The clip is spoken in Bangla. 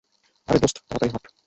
আরে, দোস্ত তাড়াতাড়ি হাঁট।